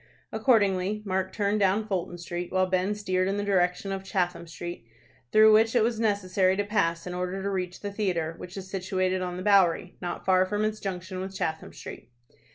Accordingly Mark turned down Fulton Street, while Ben steered in the direction of Chatham Street, through which it was necessary to pass in order to reach the theatre, which is situated on the Bowery, not far from its junction with Chatham Street.